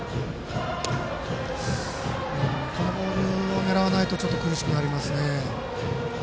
今のボールを狙わないとちょっと苦しくなりますね。